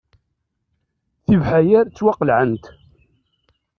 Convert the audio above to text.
Tibeḥyar ttwaqelɛent.